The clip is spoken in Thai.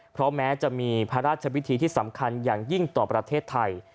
เพราะแม้จะมีพระราชพิธีที่สำคัญอย่างยิ่งต่อประเทศไทย